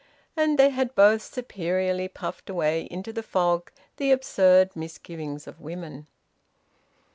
And they had both superiorly puffed away into the fog the absurd misgivings of women.